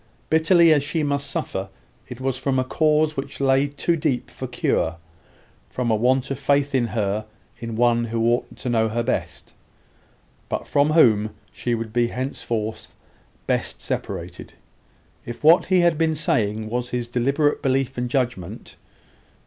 Bitterly as she must suffer, it was from a cause which lay too deep for cure from a want of faith in her in one who ought to know her best, but from whom she would be henceforth best separated, if what he had been saying was his deliberate belief and judgment.